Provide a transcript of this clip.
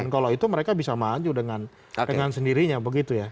kalau itu mereka bisa maju dengan sendirinya begitu ya